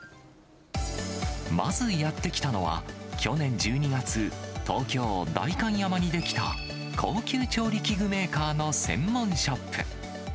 まず、やって来たのは、去年１２月、東京・代官山に出来た、高級調理器具メーカーの専門ショップ。